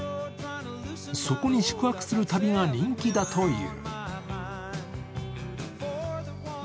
そこに宿泊する旅が人気だという。